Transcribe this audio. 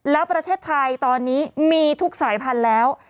แล้วประเทศไทยตอนนี้มีทุกสายพันธุ์แล้ว